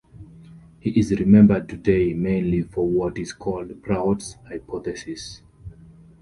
He is remembered today mainly for what is called Prout's hypothesis.